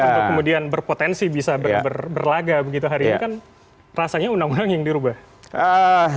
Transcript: untuk kemudian berpotensi bisa berlaga begitu hari ini kan rasanya undang undang yang dirubah